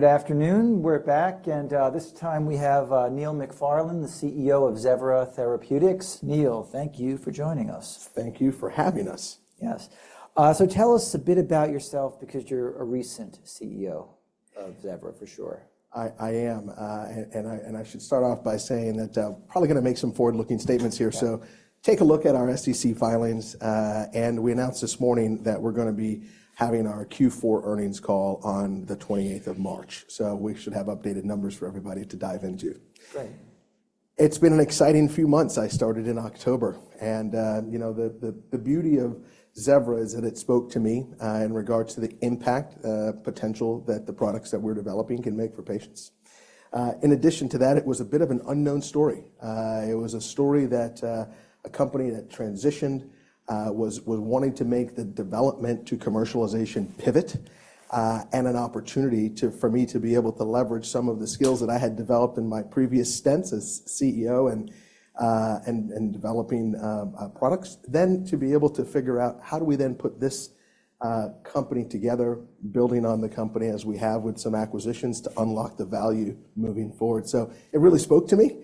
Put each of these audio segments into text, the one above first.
Good afternoon. We're back, and this time we have Neil McFarlane, the CEO of Zevra Therapeutics. Neil, thank you for joining us. Thank you for having us. Yes. So tell us a bit about yourself because you're a recent CEO of Zevra, for sure. I should start off by saying that I'm probably gonna make some forward-looking statements here. Yeah. Take a look at our SEC filings, and we announced this morning that we're gonna be having our Q4 earnings call on the 28th of March, so we should have updated numbers for everybody to dive into. Great. It's been an exciting few months. I started in October, and you know the beauty of Zevra is that it spoke to me in regards to the impact potential that the products that we're developing can make for patients. In addition to that, it was a bit of an unknown story. It was a story that a company that transitioned was wanting to make the development to commercialization pivot, and an opportunity for me to be able to leverage some of the skills that I had developed in my previous stints as CEO and developing products. Then, to be able to figure out how do we then put this company together, building on the company as we have with some acquisitions to unlock the value moving forward. So it really spoke to me,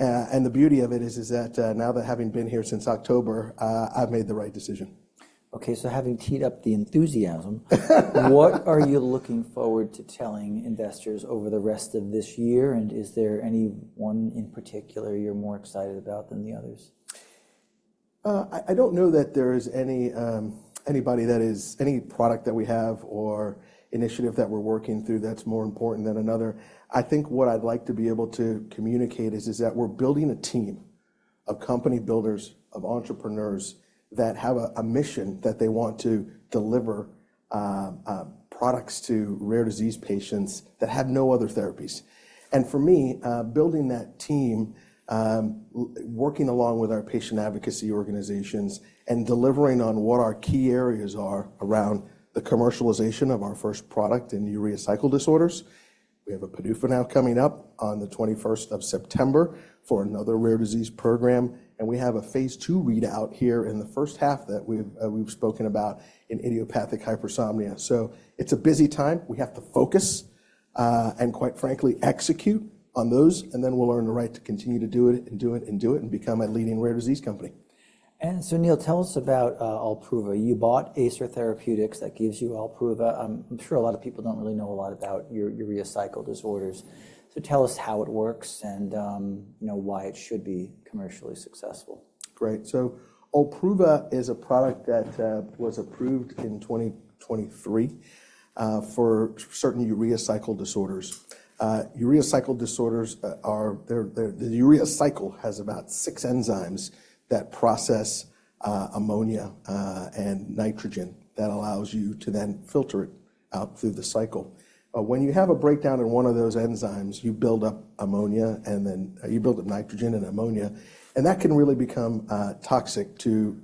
and the beauty of it is that, now that having been here since October, I've made the right decision. Okay, so having teed up the enthusiasm, what are you looking forward to telling investors over the rest of this year, and is there any one in particular you're more excited about than the others? I don't know that there is any product that we have or initiative that we're working through that's more important than another. I think what I'd like to be able to communicate is that we're building a team of company builders, of entrepreneurs, that have a mission that they want to deliver products to rare disease patients that have no other therapies. And for me, building that team, working along with our patient advocacy organizations and delivering on what our key areas are around the commercialization of our first product in urea cycle disorders. We have a PDUFA now coming up on the 21st of September for another rare disease program, and we have a phase II readout here in the first half that we've spoken about in idiopathic hypersomnia. So it's a busy time. We have to focus, and quite frankly, execute on those, and then we'll earn the right to continue to do it, and do it, and do it, and become a leading rare disease company. Neil, tell us about OLPRUVA. You bought Acer Therapeutics, that gives you OLPRUVA. I'm sure a lot of people don't really know a lot about your urea cycle disorders. Tell us how it works and, you know, why it should be commercially successful. Great. So OLPRUVA is a product that was approved in 2023 for certain urea cycle disorders. Urea cycle disorders are... They're, they're, the urea cycle has about six enzymes that process ammonia and nitrogen that allows you to then filter it out through the cycle. When you have a breakdown in one of those enzymes, you build up ammonia, and then you build up nitrogen and ammonia, and that can really become toxic to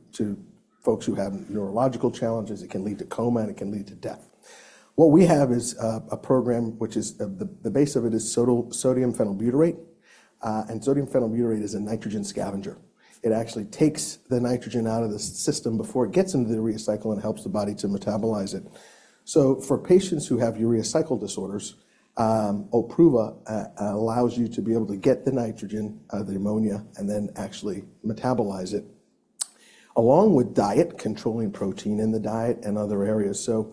folks who have neurological challenges. It can lead to coma, and it can lead to death. What we have is a program which is the base of it is sodium phenylbutyrate, and sodium phenylbutyrate is a nitrogen scavenger. It actually takes the nitrogen out of the system before it gets into the urea cycle and helps the body to metabolize it. So for patients who have urea cycle disorders, OLPRUVA allows you to be able to get the nitrogen, the ammonia, and then actually metabolize it, along with diet, controlling protein in the diet and other areas. So,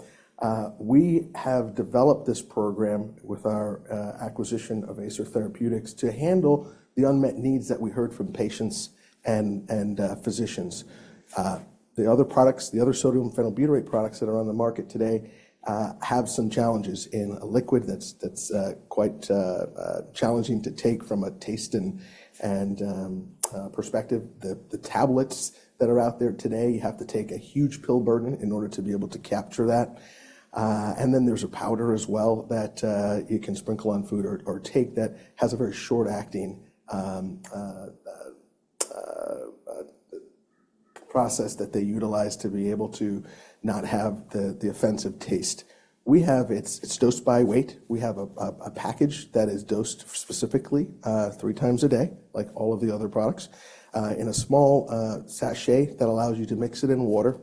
we have developed this program with our acquisition of Acer Therapeutics to handle the unmet needs that we heard from patients and physicians. The other products, the other sodium phenylbutyrate products that are on the market today, have some challenges in a liquid that's quite challenging to take from a taste and perspective. The tablets that are out there today, you have to take a huge pill burden in order to be able to capture that. And then there's a powder as well that you can sprinkle on food or take that has a very short-acting process that they utilize to be able to not have the offensive taste. We have, it's dosed by weight. We have a package that is dosed specifically three times a day, like all of the other products, in a small sachet that allows you to mix it in water.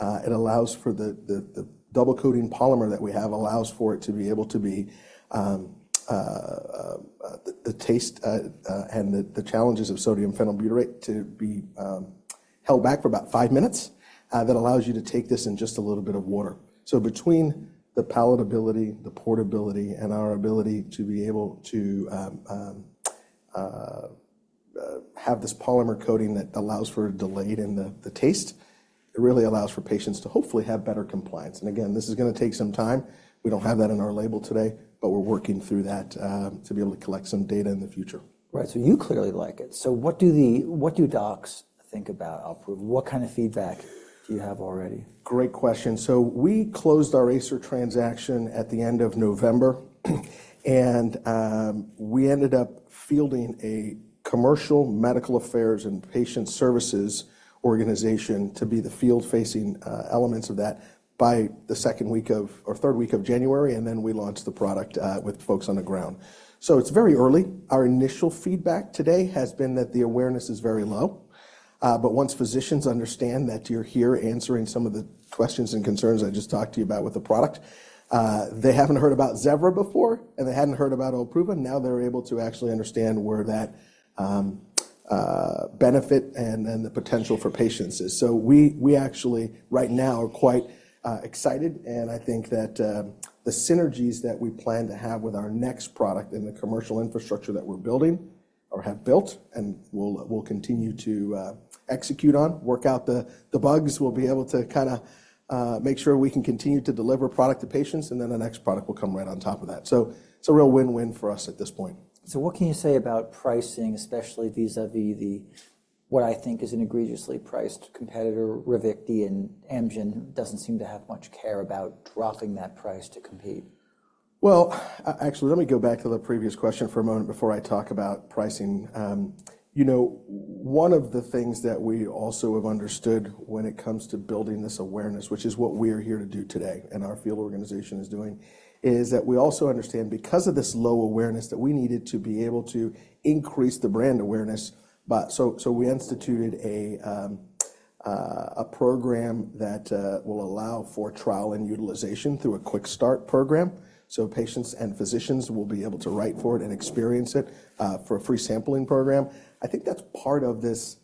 It allows for the double-coating polymer that we have allows for it to be able to be the taste and the challenges of sodium phenylbutyrate to be held back for about five minutes, that allows you to take this in just a little bit of water. So between the palatability, the portability, and our ability to be able to have this polymer coating that allows for a delay in the taste, it really allows for patients to hopefully have better compliance. And again, this is gonna take some time. We don't have that in our label today, but we're working through that to be able to collect some data in the future. Right. So you clearly like it. So what do docs think about OLPRUVA? What kind of feedback do you have already? Great question. So we closed our Acer transaction at the end of November, and we ended up fielding a commercial medical affairs and patient services organization to be the field-facing elements of that by the second week of, or third week of January, and then we launched the product with folks on the ground. So it's very early. Our initial feedback today has been that the awareness is very low, but once physicians understand that you're here answering some of the questions and concerns I just talked to you about with the product, they haven't heard about Zevra before, and they hadn't heard about OLPRUVA. Now they're able to actually understand where that benefit and the potential for patients is. So we actually right now are quite excited, and I think that the synergies that we plan to have with our next product and the commercial infrastructure that we're building or have built, and we'll continue to execute on, work out the bugs. We'll be able to kinda make sure we can continue to deliver product to patients, and then the next product will come right on top of that. So it's a real win-win for us at this point. So what can you say about pricing, especially vis-à-vis the, what I think is an egregiously priced competitor, Ravicti, and Amgen doesn't seem to have much care about dropping that price to compete? Well, actually, let me go back to the previous question for a moment before I talk about pricing. You know, one of the things that we also have understood when it comes to building this awareness, which is what we're here to do today, and our field organization is doing, is that we also understand because of this low awareness, that we needed to be able to increase the brand awareness. But so we instituted a program that will allow for trial and utilization through a quick start program. So patients and physicians will be able to write for it and experience it for a free sampling program. I think that's part of this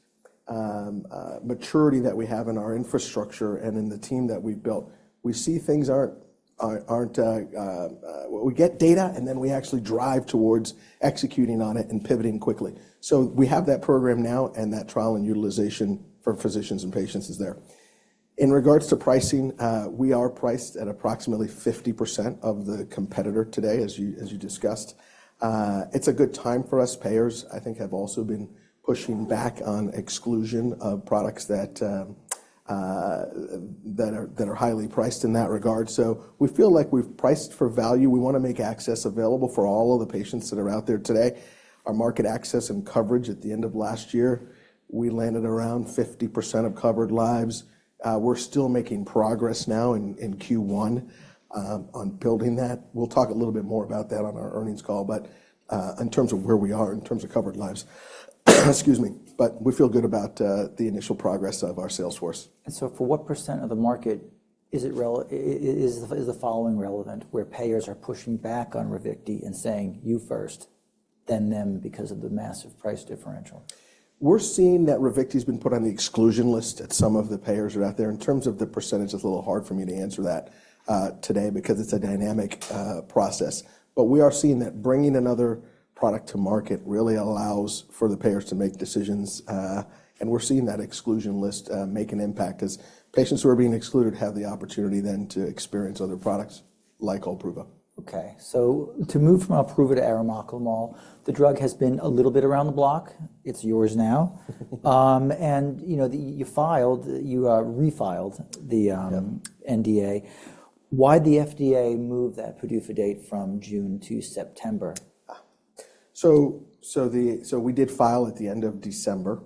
maturity that we have in our infrastructure and in the team that we've built. We see things aren't. We get data, and then we actually drive towards executing on it and pivoting quickly. So we have that program now, and that trial and utilization for physicians and patients is there. In regards to pricing, we are priced at approximately 50% of the competitor today, as you discussed. It's a good time for us. Payers, I think, have also been pushing back on exclusion of products that are highly priced in that regard. So we feel like we've priced for value. We wanna make access available for all of the patients that are out there today. Our market access and coverage at the end of last year, we landed around 50% of covered lives. We're still making progress now in Q1 on building that. We'll talk a little bit more about that on our earnings call, but, in terms of where we are in terms of covered lives, excuse me, but we feel good about, the initial progress of our sales force. And so for what % of the market is it relevant where payers are pushing back on Ravicti and saying, "You first, then them," because of the massive price differential? We're seeing that Ravicti has been put on the exclusion list at some of the payers out there. In terms of the percentage, it's a little hard for me to answer that today because it's a dynamic process. But we are seeing that bringing another product to market really allows for the payers to make decisions, and we're seeing that exclusion list make an impact as patients who are being excluded have the opportunity then to experience other products like OLPRUVA. Okay, so to move from OLPRUVA to arimoclomol, the drug has been a little bit around the block. It's yours now. And, you know, you filed, you refiled the Yep. NDA. Why'd the FDA move that PDUFA date from June to September? So we did file at the end of December.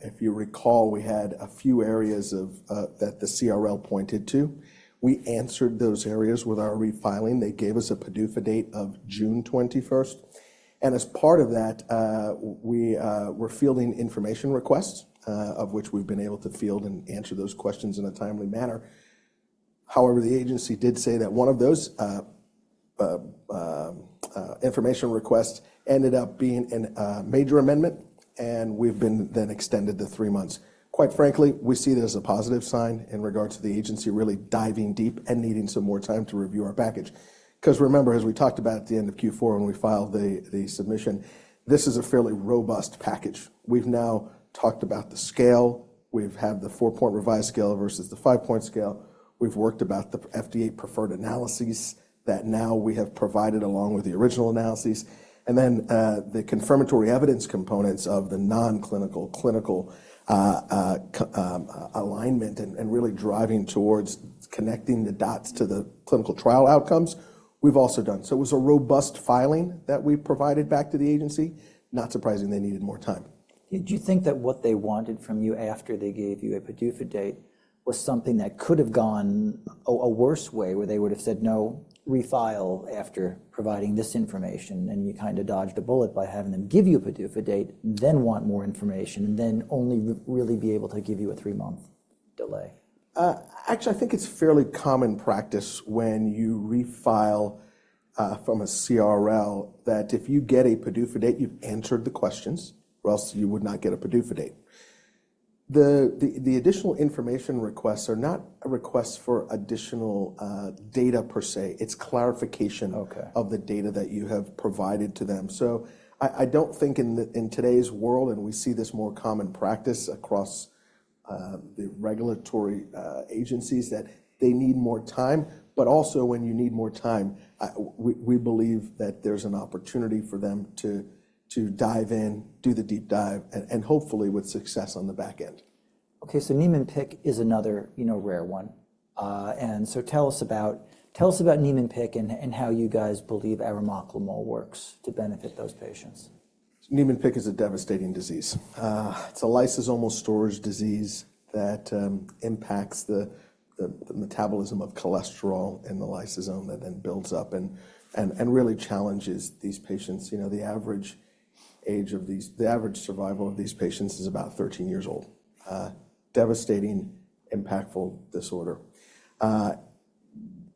If you recall, we had a few areas of that the CRL pointed to. We answered those areas with our refiling. They gave us a PDUFA date of June 21, and as part of that, we were fielding information requests, of which we've been able to field and answer those questions in a timely manner. However, the agency did say that one of those information requests ended up being a major amendment, and we've been extended to three months. Quite frankly, we see it as a positive sign in regards to the agency really diving deep and needing some more time to review our package. 'Cause remember, as we talked about at the end of Q4 when we filed the submission, this is a fairly robust package. We've now talked about the scale. We've had the four-point revised scale versus the five-point scale. We've worked about the FDA preferred analyses that now we have provided, along with the original analyses, and then, the confirmatory evidence components of the non-clinical, clinical, alignment and, and really driving towards connecting the dots to the clinical trial outcomes we've also done. So it was a robust filing that we provided back to the agency. Not surprising they needed more time. Did you think that what they wanted from you after they gave you a PDUFA date was something that could have gone a worse way, where they would have said, "No, refile after providing this information," and you kinda dodged a bullet by having them give you a PDUFA date, then want more information, and then only really be able to give you a three-month delay? Actually, I think it's fairly common practice when you refile from a CRL, that if you get a PDUFA date, you've answered the questions, or else you would not get a PDUFA date. The additional information requests are not a request for additional data, per se. It's clarification- Okay. - of the data that you have provided to them. So I, I don't think in the in today's world, and we see this more common practice across the regulatory agencies, that they need more time, but also when you need more time, we believe that there's an opportunity for them to, to dive in, do the deep dive, and, and hopefully with success on the back end. Okay, so Niemann-Pick is another, you know, rare one. And so tell us about, tell us about Niemann-Pick and, and how you guys believe arimoclomol works to benefit those patients? Niemann-Pick is a devastating disease. It's a lysosomal storage disease that impacts the metabolism of cholesterol in the lysosome, that then builds up and really challenges these patients. You know, the average survival of these patients is about 13 years old. Devastating, impactful disorder.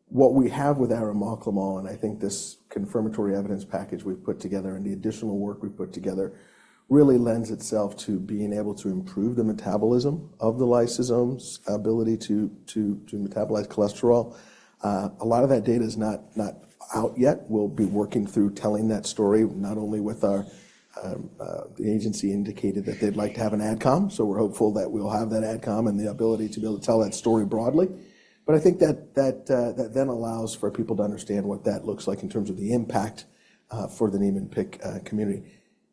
What we have with arimoclomol, and I think this confirmatory evidence package we've put together and the additional work we've put together, really lends itself to being able to improve the metabolism of the lysosomes' ability to metabolize cholesterol. A lot of that data is not out yet. We'll be working through telling that story, not only with our, the agency indicated that they'd like to have an AdCom, so we're hopeful that we'll have that AdCom and the ability to be able to tell that story broadly. But I think that then allows for people to understand what that looks like in terms of the impact for the Niemann-Pick community.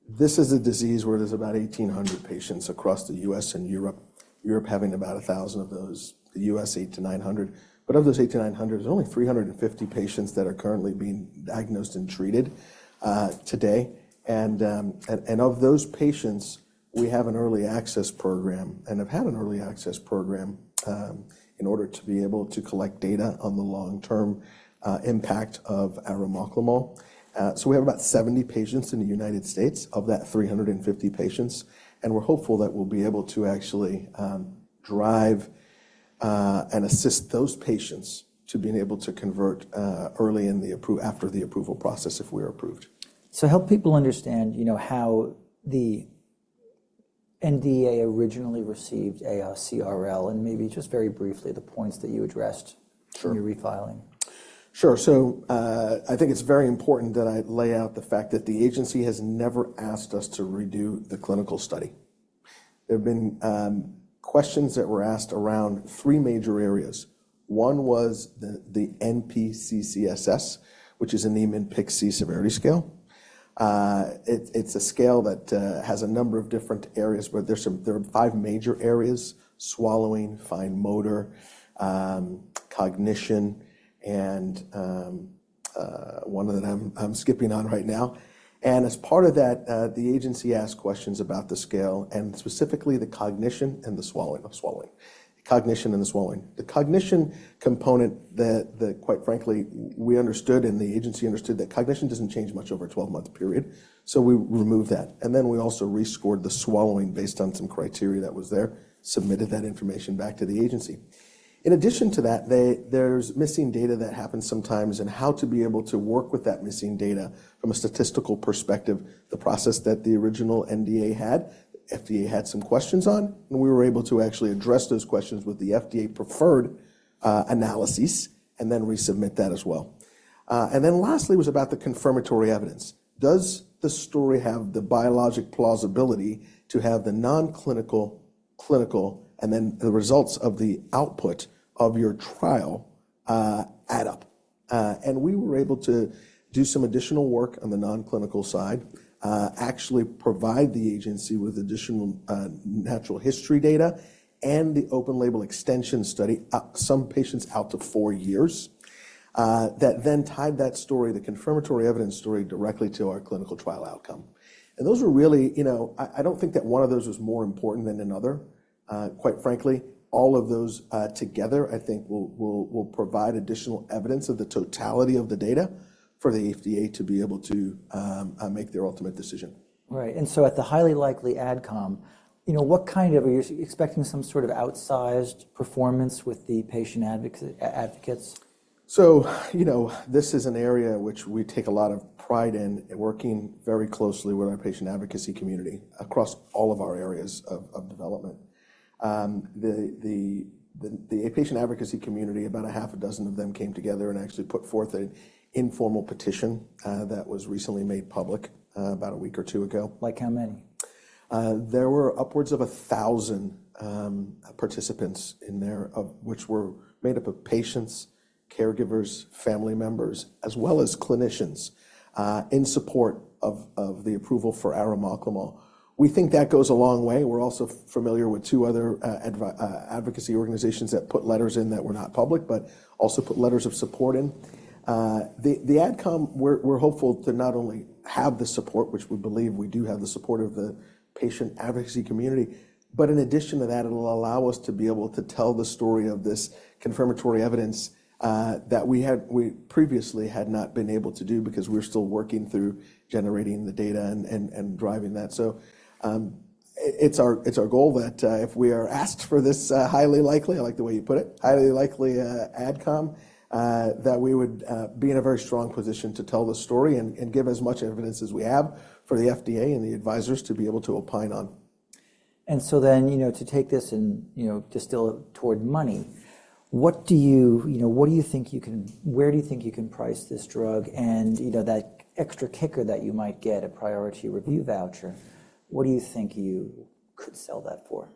This is a disease where there's about 1,800 patients across the U.S. and Europe. Europe having about 1,000 of those, the U.S., 800-900. But of those 800-900, there's only 350 patients that are currently being diagnosed and treated today. Of those patients, we have an early access program and have had an early access program in order to be able to collect data on the long-term impact of arimoclomol. So we have about 70 patients in the United States, of that 350 patients, and we're hopeful that we'll be able to actually drive and assist those patients to being able to convert early in the appro-- after the approval process, if we're approved. Help people understand, you know, how the NDA originally received a CRL, and maybe just very briefly, the points that you addressed. Sure. in your refiling. Sure. So, I think it's very important that I lay out the fact that the agency has never asked us to redo the clinical study. There have been, questions that were asked around three major areas. One was the NPC-CSS, which is a Niemann-Pick C severity scale. It's a scale that has a number of different areas, where there are five major areas: swallowing, fine motor, cognition, and one that I'm skipping on right now. And as part of that, the agency asked questions about the scale, and specifically the cognition and the swallowing. Oh, swallowing. Cognition and the swallowing. The cognition component that quite frankly, we understood and the agency understood, that cognition doesn't change much over a 12-month period, so we removed that. And then we also rescored the swallowing based on some criteria that was there, submitted that information back to the agency. In addition to that, they—there's missing data that happens sometimes, and how to be able to work with that missing data from a statistical perspective, the process that the original NDA had, FDA had some questions on, and we were able to actually address those questions with the FDA preferred analyses and then resubmit that as well. And then lastly, was about the confirmatory evidence. Does the story have the biologic plausibility to have the non-clinical, clinical, and then the results of the output of your trial, add up? And we were able to do some additional work on the non-clinical side, actually provide the agency with additional, natural history data and the open label extension study, some patients out to four years, that then tied that story, the confirmatory evidence story, directly to our clinical trial outcome. And those were really... You know, I don't think that one of those was more important than another. Quite frankly, all of those together, I think will provide additional evidence of the totality of the data for the FDA to be able to make their ultimate decision. Right. And so at the highly likely AdCom, you know, are you expecting some sort of outsized performance with the patient advocates? So, you know, this is an area which we take a lot of pride in, working very closely with our patient advocacy community across all of our areas of development. The patient advocacy community, about a half a dozen of them came together and actually put forth an informal petition that was recently made public about a week or two ago. Like how many? There were upwards of 1,000 participants in there, of which were made up of patients, caregivers, family members, as well as clinicians in support of the approval for arimoclomol. We think that goes a long way. We're also familiar with two other advocacy organizations that put letters in that were not public, but also put letters of support in. The AdCom, we're hopeful to not only have the support, which we believe we do have the support of the patient advocacy community, but in addition to that, it'll allow us to be able to tell the story of this confirmatory evidence that we had we previously had not been able to do because we're still working through generating the data and driving that. So, it's our goal that, if we are asked for this, highly likely, I like the way you put it, highly likely, AdCom, that we would be in a very strong position to tell the story and give as much evidence as we have for the FDA and the advisors to be able to opine on. You know, to take this and, you know, distill it toward money, where do you think you can price this drug? You know, that extra kicker that you might get, a priority review voucher, what do you think you could sell that for?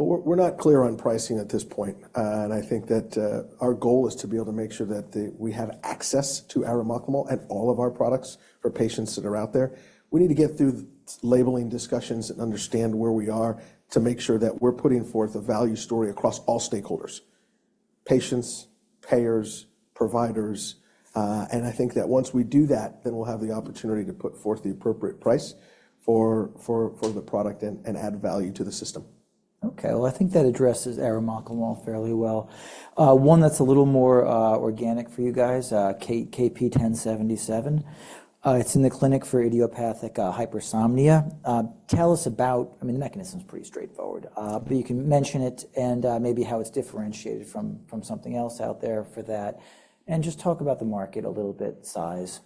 Well, we're not clear on pricing at this point. And I think that our goal is to be able to make sure that we have access to arimoclomol and all of our products for patients that are out there. We need to get through the labeling discussions and understand where we are to make sure that we're putting forth a value story across all stakeholders: patients, payers, providers. And I think that once we do that, then we'll have the opportunity to put forth the appropriate price for the product and add value to the system. Okay, well, I think that addresses arimoclomol fairly well. One that's a little more organic for you guys, KP1077. It's in the clinic for idiopathic hypersomnia. Tell us about... I mean, the mechanism is pretty straightforward, but you can mention it and maybe how it's differentiated from something else out there for that, and just talk about the market a little bit, size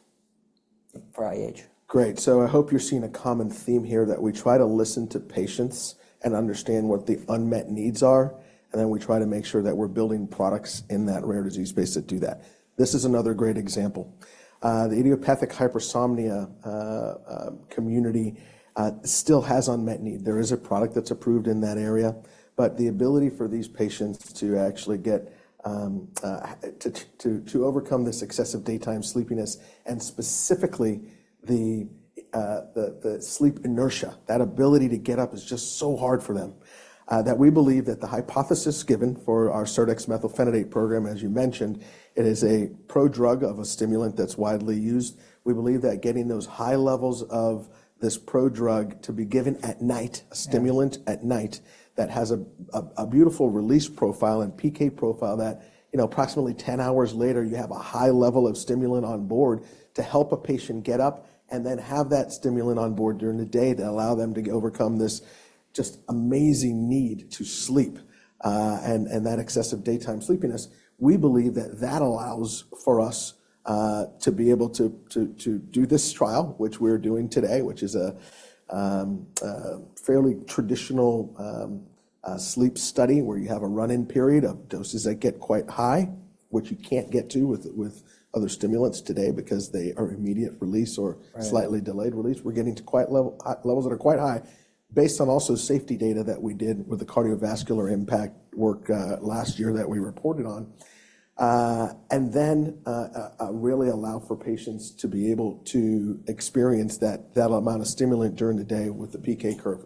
for IH? Great. So I hope you're seeing a common theme here, that we try to listen to patients and understand what the unmet needs are, and then we try to make sure that we're building products in that rare disease space that do that. This is another great example. The idiopathic hypersomnia community still has unmet need. There is a product that's approved in that area, but the ability for these patients to actually get to overcome this excessive daytime sleepiness and specifically the sleep inertia, that ability to get up is just so hard for them, that we believe that the hypothesis given for our serdexmethylphenidate program, as you mentioned, it is a prodrug of a stimulant that's widely used. We believe that getting those high levels of this prodrug to be given at night- Yeah... a stimulant at night, that has a beautiful release profile and PK profile that, you know, approximately 10 hours later, you have a high level of stimulant on board to help a patient get up and then have that stimulant on board during the day to allow them to overcome this just amazing need to sleep, and that excessive daytime sleepiness. We believe that that allows for us to be able to do this trial, which we're doing today, which is a fairly traditional sleep study, where you have a run-in period of doses that get quite high, which you can't get to with other stimulants today because they are immediate release or- Right... slightly delayed release. We're getting to quite level, levels that are quite high based on also safety data that we did with the cardiovascular impact work last year that we reported on. And then, really allow for patients to be able to experience that, that amount of stimulant during the day with the PK curve.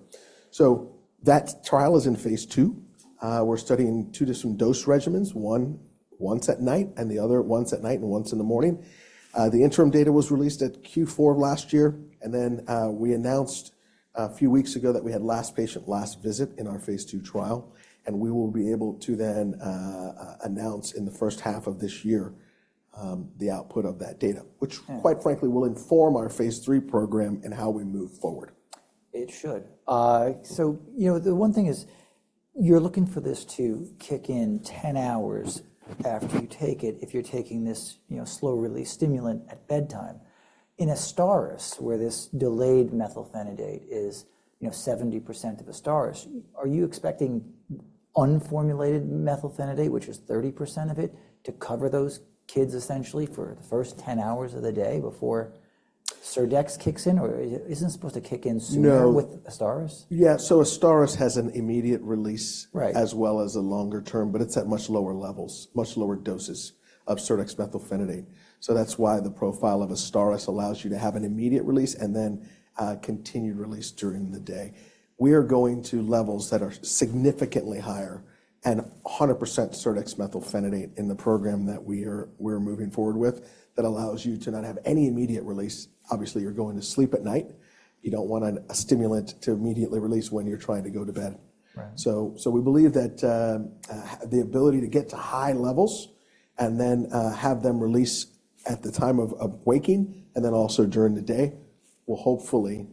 So that trial is in phase two. We're studying two different dose regimens, one once at night, and the other once at night and once in the morning. The interim data was released at Q4 last year, and then, we announced a few weeks ago that we had last patient, last visit in our phase two trial. And we will be able to then, announce in the first half of this year, the output of that data- Hmm... which, quite frankly, will inform our phase 3 program and how we move forward. It should. So, you know, the one thing is, you're looking for this to kick in 10 hours after you take it, if you're taking this, you know, slow-release stimulant at bedtime. In AZSTARYS, where this delayed methylphenidate is, you know, 70% of AZSTARYS, are you expecting unformulated methylphenidate, which is 30% of it, to cover those kids essentially for the first 10 hours of the day before serdex kicks in? Or isn't it supposed to kick in sooner? No... with AZSTARYS? Yeah. So AZSTARYS has an immediate release- Right... as well as a longer term, but it's at much lower levels, much lower doses of serdexmethylphenidate. So that's why the profile of AZSTARYS allows you to have an immediate release and then, continued release during the day. We are going to levels that are significantly higher and 100% serdexmethylphenidate in the program that we're moving forward with, that allows you to not have any immediate release. Obviously, you're going to sleep at night. You don't want a stimulant to immediately release when you're trying to go to bed. Right. So we believe that the ability to get to high levels and then have them release at the time of waking and then also during the day will hopefully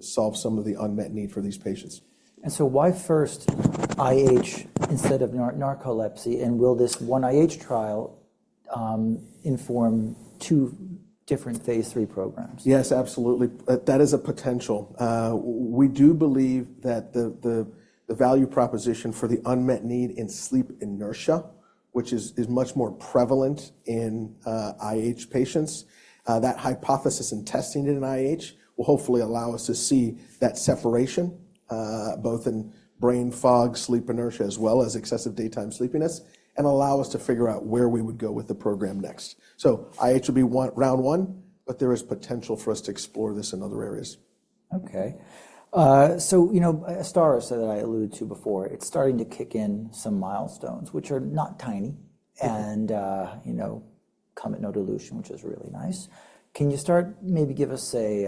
solve some of the unmet need for these patients. So why first IH instead of narcolepsy? And will this one IH trial inform two different phase three programs? Yes, absolutely. That is a potential. We do believe that the value proposition for the unmet need in sleep inertia, which is much more prevalent in IH patients, that hypothesis and testing it in IH will hopefully allow us to see that separation, both in brain fog, sleep inertia, as well as excessive daytime sleepiness, and allow us to figure out where we would go with the program next. So IH will be one round one, but there is potential for us to explore this in other areas. Okay. So, you know, AZSTARYS, that I alluded to before, it's starting to kick in some milestones, which are not tiny and, you know, come at no dilution, which is really nice. Can you start, maybe give us a,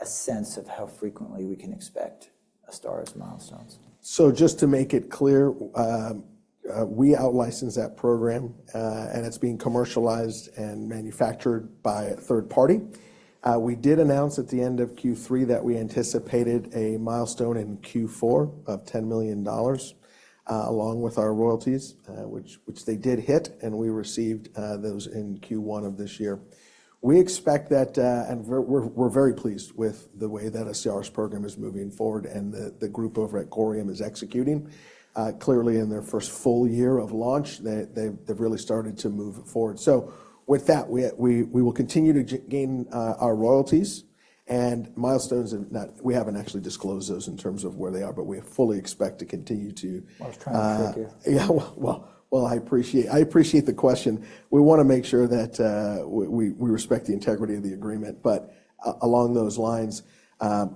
a sense of how frequently we can expect AZSTARYS milestones? So just to make it clear, we outlicensed that program, and it's being commercialized and manufactured by a third party. We did announce at the end of Q3 that we anticipated a milestone in Q4 of $10 million, along with our royalties, which they did hit, and we received those in Q1 of this year. We expect that, and we're very pleased with the way that AZSTARYS program is moving forward, and the group over at Corium is executing. Clearly, in their first full year of launch, they've really started to move forward. So with that, we will continue to gain our royalties and milestones, and we haven't actually disclosed those in terms of where they are, but we fully expect to continue to. I was trying to trick you. Yeah, well, I appreciate the question. We wanna make sure that we respect the integrity of the agreement, but along those lines,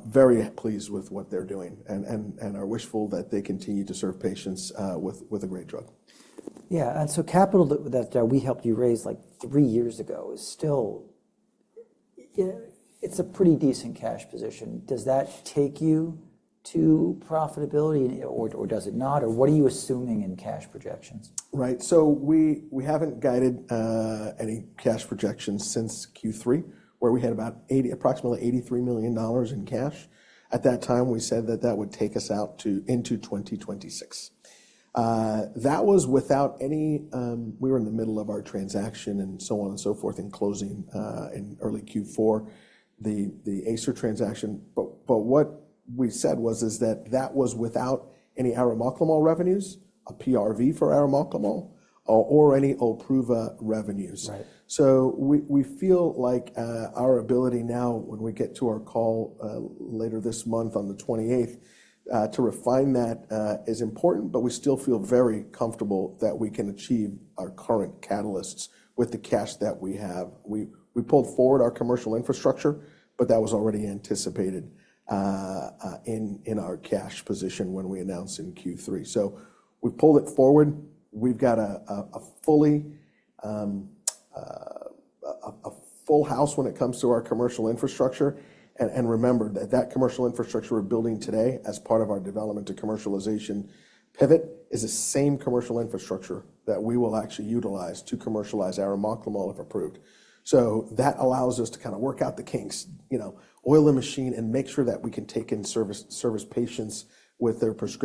very pleased with what they're doing and are wishful that they continue to serve patients with a great drug. Yeah, and so capital that we helped you raise, like, three years ago is still... Yeah, it's a pretty decent cash position. Does that take you to profitability, or, or does it not, or what are you assuming in cash projections? Right. So we, we haven't guided any cash projections since Q3, where we had about $80, approximately $83 million in cash. At that time, we said that that would take us out to, into 2026. That was without any. We were in the middle of our transaction and so on and so forth, and closing in early Q4, the, the Acer transaction. But, but what we said was, is that that was without any arimoclomol revenues, a PRV for arimoclomol, or, or any OLPRUVA revenues. Right. So we feel like our ability now, when we get to our call later this month on the 28th, to refine that is important, but we still feel very comfortable that we can achieve our current catalysts with the cash that we have. We pulled forward our commercial infrastructure, but that was already anticipated in our cash position when we announced in Q3. So we pulled it forward. We've got a full house when it comes to our commercial infrastructure. Remember that that commercial infrastructure we're building today as part of our development and commercialization pivot is the same commercial infrastructure that we will actually utilize to commercialize arimoclomol, if approved. So that allows us to kind of work out the kinks, you know, oil the machine, and make sure that we can take in service patients with their prescri-